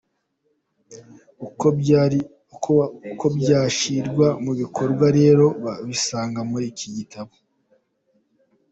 Uko byashyirwa mu bikorwa rero, babisanga muri iki gitabo.